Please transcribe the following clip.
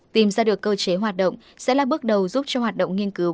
tìm ra được cơ chế hoạt động sẽ là bước đầu giúp cho hoạt động nghiên cứu